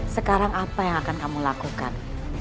sekarang apa yang akan kamu lakukan